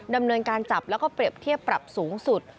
ดำเนินการจับแล้วก็เปรียบเทียบปรับสูงสุด